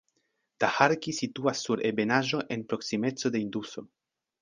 Daharki situas sur ebenaĵo en proksimeco de Induso.